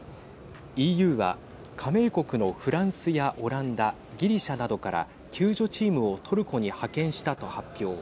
ＥＵは加盟国のフランスやオランダギリシャなどから、救助チームをトルコに派遣したと発表。